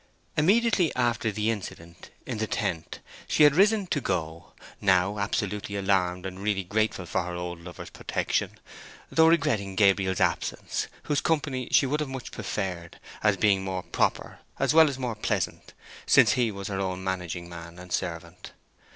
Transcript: Immediately after the incident in the tent, she had risen to go—now absolutely alarmed and really grateful for her old lover's protection—though regretting Gabriel's absence, whose company she would have much preferred, as being more proper as well as more pleasant, since he was her own managing man and servant.